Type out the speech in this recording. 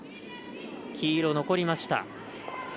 黄色、残りました。